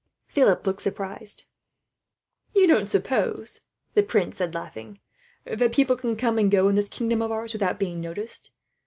Philip looked surprised. "You don't suppose," the prince said, laughing, "that people can come and go, in this kingdom of ours, without being noticed.